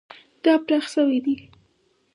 دا پراخ شوی دی.